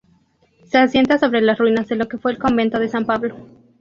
Se asienta sobre las ruinas de lo que fue el Convento de San Pablo.